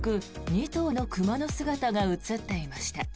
２頭の熊の姿が映っていました。